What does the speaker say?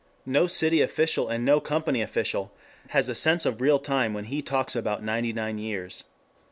No city official and no company official has a sense of real time when he talks about ninety nine years.